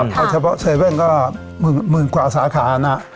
เอาเฉพาะเซเว่นก็หมื่นกว่าสาขานะ